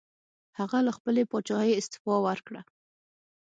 هغه له خپلې پاچاهۍ استعفا وکړه.